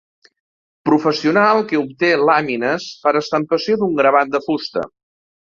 Professional que obté làmines per estampació d'un gravat de fusta.